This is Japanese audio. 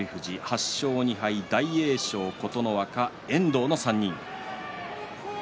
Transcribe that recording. ８勝２敗、大栄翔、琴ノ若遠藤の３人。